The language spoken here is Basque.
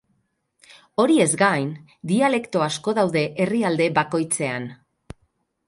Horiez gain, dialekto asko daude herrialde bakoitzean.